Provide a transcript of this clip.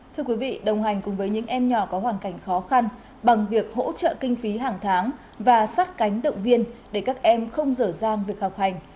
thưa quý vị đồng hành cùng với những em nhỏ có hoàn cảnh khó khăn bằng việc hỗ trợ kinh phí hàng tháng và sát cánh động viên để các em không dở dang việc học hành